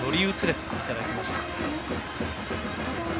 といただきました。